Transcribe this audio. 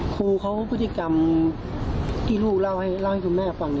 ครูเขาพฤติกรรมที่ลูกเล่าให้คุณแม่ฟัง